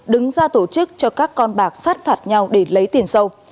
đứng ra tổ chức cho các con bạc sát phạt nhau để lấy tiền sâu